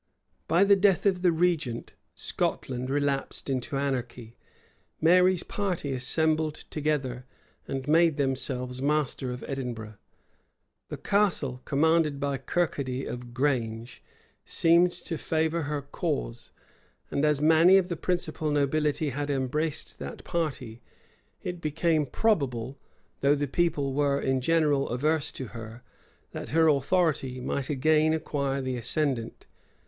By the death of the regent, Scotland relapsed into anarchy. Mary's party assembled together, and made themselves masters of Edinburgh. The castle, commanded by Kirkaldy of Grange, seemed to favor her cause; and as many of the principal nobility had embraced that party, it became probable, though the people were in general averse to her, that her authority might again acquire the ascendant.